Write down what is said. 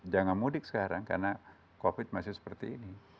jangan mudik sekarang karena covid masih seperti ini